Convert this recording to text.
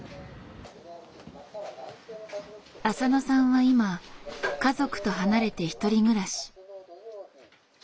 浅野さんは今家族と離れて１人暮らし。